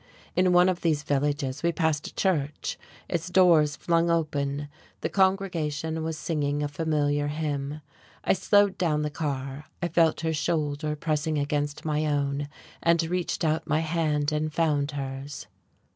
In one of these villages we passed a church, its doors flung open; the congregation was singing a familiar hymn. I slowed down the car; I felt her shoulder pressing against my own, and reached out my hand and found hers.